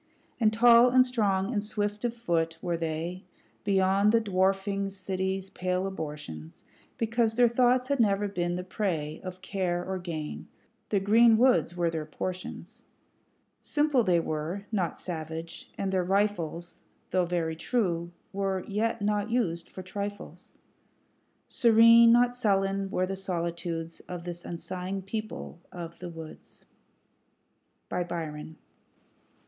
And tall, and strong, and swift of foot were they, Beyond the dwarfing city's pale abortions, Because their thoughts had never been the prey Of care or gain; the green woods were their portions Simple they were, not savage; and their rifles, Though very true, were yet not used for trifles. Serene, not sullen, were the solitudes Of this unsighing people of the woods. Byron.